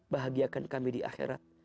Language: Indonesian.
bahagiakan kami di akhirat